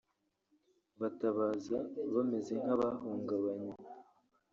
batabaza bameze nk’abahungabaye